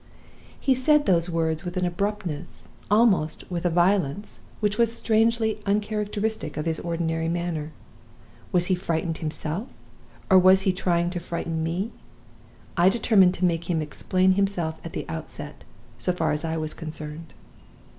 "He said those words with an abruptness, almost with a violence, which was strangely uncharacteristic of his ordinary manner. Was he frightened himself, or was he trying to frighten me? I determined to make him explain himself at the outset, so far as I was concerned.